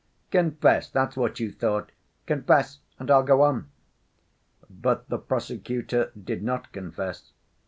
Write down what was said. Confess that's what you thought. Confess, and I'll go on." But the prosecutor did not confess.